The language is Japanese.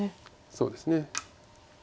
そうですね。